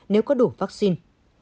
nếu có đủ vắc xin